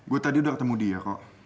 gue tadi udah ketemu dia kok